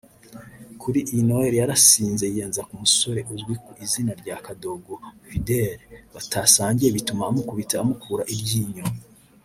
kuri iyi Noheli yarasinze yiyenza ku musore uzwi ku izina rya Kadogo Fidel batasangiye bituma amukubita amukura iryinyo